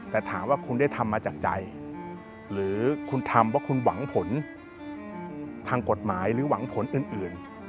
แต่ถามว่าคุณได้ทำมาจากใจหรือคุณทำว่าคุณหวังผลทางกฎหมายหรือหวังผลอื่น